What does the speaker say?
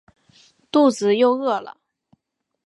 肚子又饿了